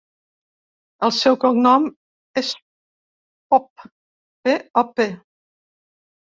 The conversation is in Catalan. El seu cognom és Pop: pe, o, pe.